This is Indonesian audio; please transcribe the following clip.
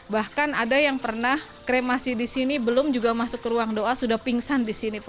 bahkan ada yang pernah kremasi di sini belum juga masuk ke ruang doa sudah pingsan di sini